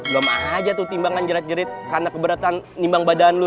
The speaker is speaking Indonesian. lemah aja tuh timbangan jerat jerit karena keberatan nimbang badan lo